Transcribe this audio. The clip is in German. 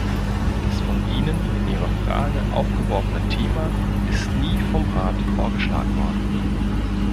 Das von Ihnen in Ihrer Frage aufgeworfene Thema ist nie vom Rat vorgeschlagen worden.